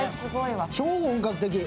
超本格的。